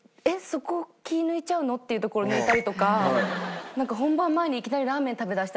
そこ気ぃ抜いちゃうの？っていうところ抜いたりとか本番前にいきなりラーメン食べだしたりとか。